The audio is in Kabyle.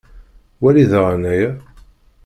Wali daɣen aya.